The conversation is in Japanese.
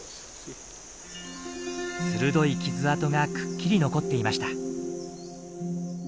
鋭い傷痕がくっきり残っていました。